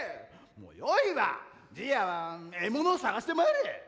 もうよいわじいやは獲物を探してまいれ！